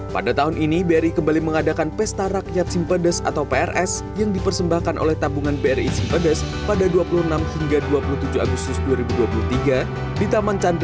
pada tahun ini bri kembali mengadakan pesta rakyat simpedes atau prs yang dipersembahkan oleh tabungan bri simpedes pada dua puluh enam hingga dua puluh tujuh agustus dua ribu dua puluh tiga di taman chandra